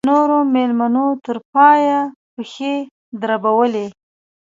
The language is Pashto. نورو مېلمنو تر پایه پښې دربولې.